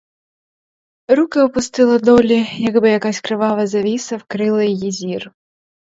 Руки опустила долі, якби якась кривава завіса вкрила її зір.